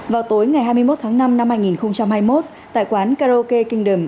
vào tối ngày hai mươi một tháng năm năm hai nghìn hai mươi một tại quán karaoke kingdom